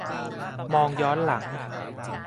มองย้อนหลัง